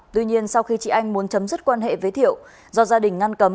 tuy nhiên sau khi chị anh muốn chấm dứt quan hệ với thiệu do gia đình ngăn cấm